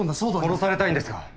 殺されたいんですか？